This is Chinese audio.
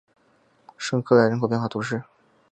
圣克莱人口变化图示